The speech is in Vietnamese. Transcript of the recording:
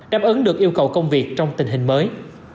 đáp ứng được yêu cầu công việc trong tình hình mới